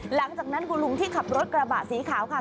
หลังจากนั้นคุณลุงที่ขับรถกระบะสีขาวค่ะ